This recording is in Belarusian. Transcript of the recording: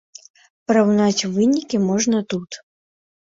Параўнаць вынікі можна тут.